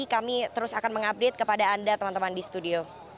kami terus akan mengupdate kepada anda teman teman di studio